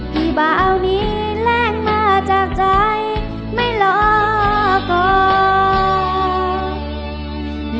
พี่บ้าเอานี้แรงมาจากใจไม่หลอกอบ